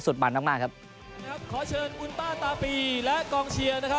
สุดมันต้องน่าครับขอเชิญและกองเชียร์นะครับ